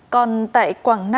còn tại quảng nam